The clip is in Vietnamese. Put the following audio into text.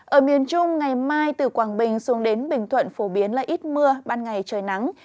ở miền trung ngày mai từ quảng bình xuống đến bình thuận phổ biến là ít mưa ban ngày trời nắng